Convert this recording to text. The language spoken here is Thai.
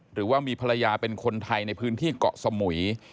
หรือว่ามีภรรยาเป็นคนไทยในพื้นที่เกาะสมุย